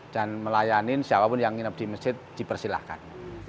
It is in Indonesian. dan melayani siapapun yang nginap di masjid dipersilahkan